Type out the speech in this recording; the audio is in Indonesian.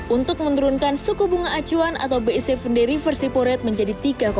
untuk menurunkan suku bunga acuan atau bic fenderi versi pored menjadi tiga lima